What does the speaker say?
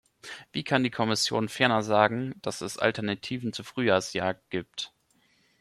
Wie kann die Kommission ferner sagen, dass es Alternativen zur Frühjahrsjagd gibt?